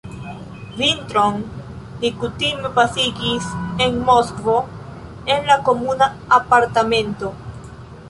Vintron li kutime pasigis en Moskvo, en la komuna apartamento.